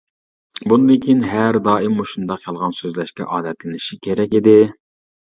بۇندىن كېيىن ھەر دائىم مۇشۇنداق يالغان سۆزلەشكە ئادەتلىنىشى كېرەك ئىدى.